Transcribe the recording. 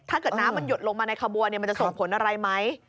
ถ้าเกิดน้ำมันหยดลงมาในขบวนมันจะส่งผลอะไรไหม